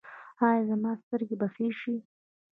ایا زما سترګې به ښې شي؟